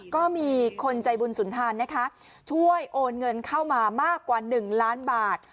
ก็มีคนใจบุญสุนทานนะคะช่วยโอนเงินเข้ามามากกว่า๑ล้านบาท